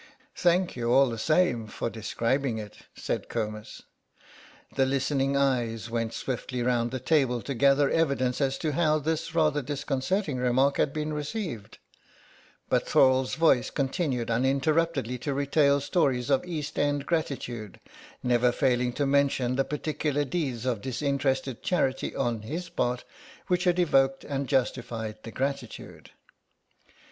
"Thank you all the same for describing it," said Comus. The listening eyes went swiftly round the table to gather evidence as to how this rather disconcerting remark had been received, but Thorle's voice continued uninterruptedly to retail stories of East end gratitude, never failing to mention the particular deeds of disinterested charity on his part which had evoked and justified the gratitude.